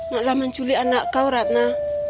malah menculik anak kau ratna